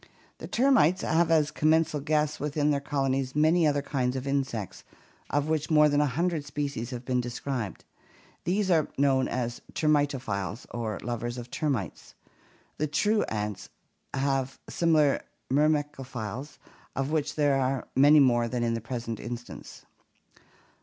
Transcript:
The termites have as commensal guests within their colonies many other kinds of insects of which more than a hundred species have been described. These are known as termitophlles or lovers of termites. The true ants have similar myrmecophiles, of which there are many more than in the present instance.